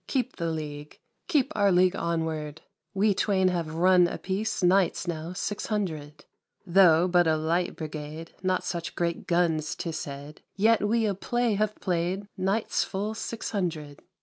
keep the league, Keep our league onward ! We twain have "run " a piece Nights now Six Hundred, Though but a light brigade, Not such "great guns " 'tis said. Yet we a play have played Nights full Six Hundred